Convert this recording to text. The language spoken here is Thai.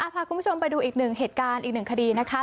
พาคุณผู้ชมไปดูอีกหนึ่งเหตุการณ์อีกหนึ่งคดีนะคะ